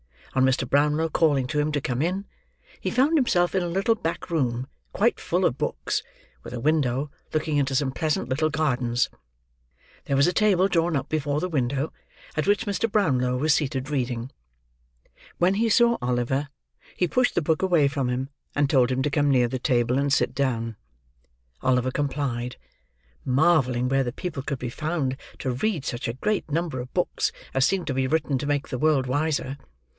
On Mr. Brownlow calling to him to come in, he found himself in a little back room, quite full of books, with a window, looking into some pleasant little gardens. There was a table drawn up before the window, at which Mr. Brownlow was seated reading. When he saw Oliver, he pushed the book away from him, and told him to come near the table, and sit down. Oliver complied; marvelling where the people could be found to read such a great number of books as seemed to be written to make the world wiser.